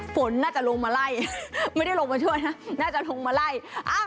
ฝนน่าจะลงมาไล่ไม่ได้ลงมาช่วยนะน่าจะลงมาไล่